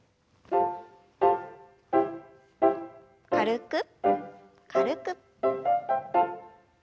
軽く軽く。